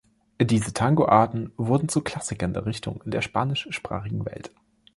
Diese Tangoarten wurden zu Klassikern der Richtung in der spanischsprachigen Welt.